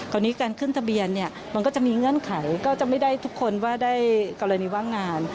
ตอนนี้การขึ้นทะเบียนเนี่ยมันก็จะมีเงื่อนไขก็จะไม่ได้ทุกคนว่าได้กรณีว่างงาน